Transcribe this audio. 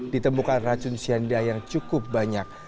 ditemukan racun cyanida yang cukup banyak